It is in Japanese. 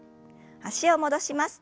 脚を戻します。